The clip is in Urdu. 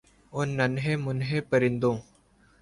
ان ننھے مننھے پرندوں